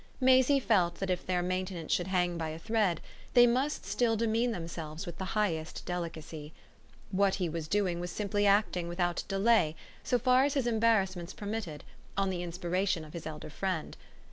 Maisie felt that if their maintenance should hang by a thread they must still demean themselves with the highest delicacy. What he was doing was simply acting without delay, so far as his embarrassments permitted, on the inspiration of his elder friend.